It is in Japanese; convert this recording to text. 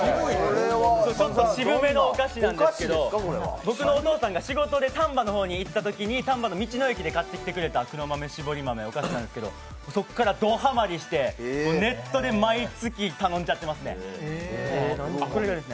ちょっと渋めのお菓子なんですけど、僕のお父さんが仕事で丹波の方に行ったときに、丹波の道の駅で買ってきてくれた黒豆しぼり豆ってお菓子なんですけどそこからドハマりしてネットで毎月頼んじゃってますね。